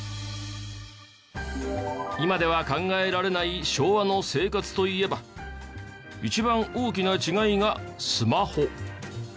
今では考えられない昭和の生活といえば一番大きな違いがスマホ。